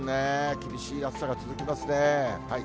厳しい暑さが続きますね。